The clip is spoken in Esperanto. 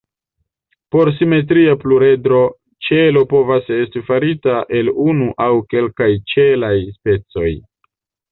Por simetria pluredro, ŝelo povas esti farita el unu aŭ kelkaj ĉelaj specoj.